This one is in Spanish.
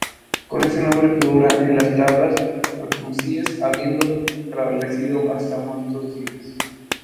Con este nombre figura en las Tablas alfonsíes, habiendo prevalecido hasta nuestros días.